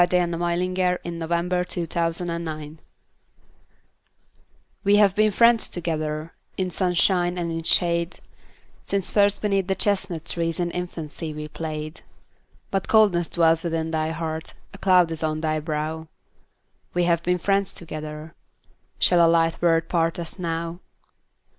Caroline Norton We Have Been Friends Together WE have been friends together In sunshine and in shade, Since first beneath the chestnut trees, In infancy we played. But coldness dwells within thy heart, A cloud is on thy brow; We have been friends together, Shall a light word part us now?